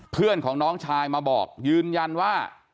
เพื่อนของน้องชายมาบอกยืนยันว่า